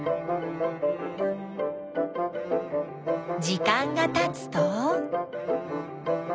時間がたつと。